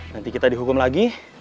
nanti kita dihukum lagi